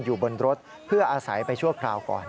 อยู่บนรถเพื่ออาศัยไปชั่วคราวก่อน